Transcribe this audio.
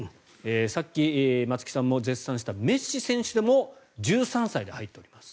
さっき松木さんも絶賛したメッシ選手でも１３歳で入っております。